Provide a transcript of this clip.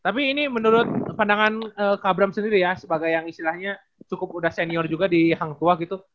tapi ini menurut pandangan kak bram sendiri ya sebagai yang istilahnya cukup udah senior juga di hangtua gitu